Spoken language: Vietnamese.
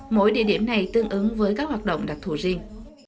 mỗi địa điểm này tương ứng với các hoạt động đặc thù riêng